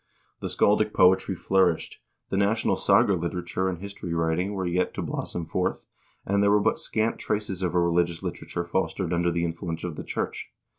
The scaldic poetry flourished, the national saga literature and history writing were yet to blossom forth, and there were but scant traces of a religious liter ature fostered under the influence of the church.